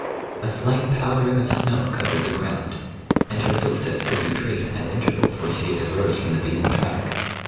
A slight powdering of snow covered the ground, and her footsteps could be traced at intervals where she had diverged from the beaten track.